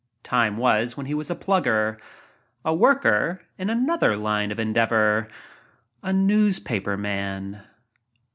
Time was when he was a plugger— a worker in another line of endeavor a newspaper man.